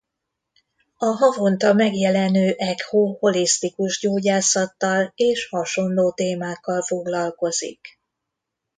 A havonta megjelenő Echo holisztikus gyógyászattal és hasonló témákkal foglalkozik.